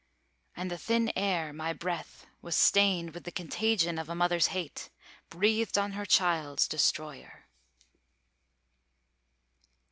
and the thin air, my breath, was stained, With the contagion of a mother's hate, Breathed on her child's destroyer."